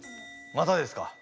またですか？